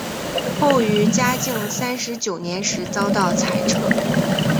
后于嘉靖三十九年时遭到裁撤。